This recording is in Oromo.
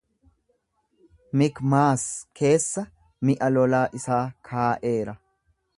Mikmaas keessa mi'a lolaa isaa kaa'eera.